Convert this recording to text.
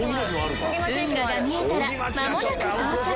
運河が見えたらまもなく到着。